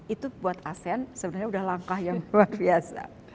itu buat asean sebenarnya sudah langkah yang luar biasa